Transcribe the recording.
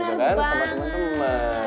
gitu kan sama temen temen